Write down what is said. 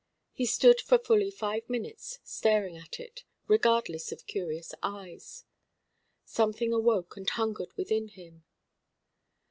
He stood for fully five minutes staring at it, regardless of curious eyes. Something awoke and hungered within him.